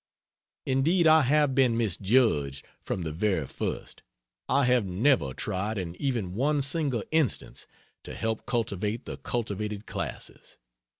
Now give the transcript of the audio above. Indeed I have been misjudged, from the very first. I have never tried in even one single instance, to help cultivate the cultivated classes.